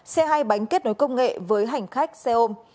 xe hai bánh kết nối công nghệ với hành khách xe ôm